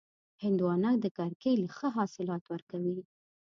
هندوانه د کرکېلې ښه حاصلات ورکوي.